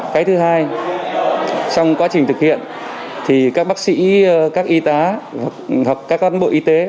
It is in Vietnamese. cái thứ hai trong quá trình thực hiện thì các bác sĩ các y tá các cán bộ y tế